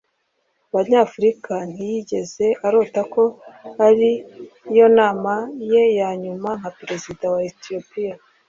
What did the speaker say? abanyafurika ntiyigeze arota ko ari yo nama ye ya nyuma nka perezida wa etiyopiya